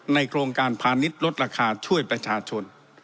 ในโครงการพ่านิดลดราคาช่วยประชาชน